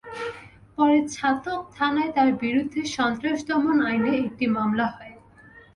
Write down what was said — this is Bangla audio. পরে ছাতক থানায় তাঁর বিরুদ্ধে সন্ত্রাস দমন আইনে একটি মামলা হয়।